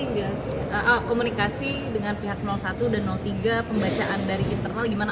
enggak komunikasi dengan pihak satu dan tiga pembacaan dari internal gimana